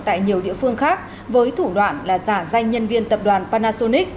tại nhiều địa phương khác với thủ đoạn là giả danh nhân viên tập đoàn panasonic